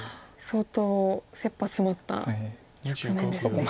相当せっぱ詰まった局面ですね。